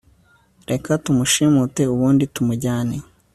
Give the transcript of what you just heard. reka tumushimute ubundi tumujyane